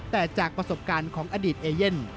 แต่จากประสบการณ์ของอดีตเอเย่น